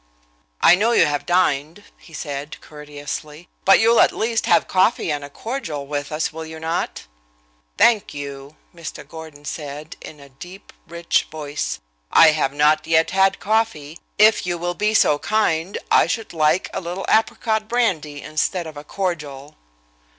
"I know you have dined," he said, courteously, "but you'll at least have coffee and a cordial with us, will you not?" "Thank you," Mr. Gordon said, in a deep, rich voice, "I have not yet had coffee. If you will be so kind, I should like a little apricot brandy instead of a cordial."